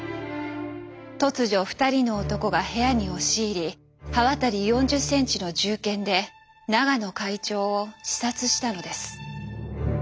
突如２人の男が部屋に押し入り刃渡り４０ｃｍの銃剣で永野会長を刺殺したのです。